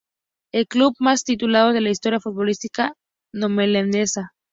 Es el club con más títulos de la historia futbolística neozelandesa.